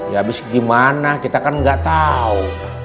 ya habis gimana kita kan nggak tahu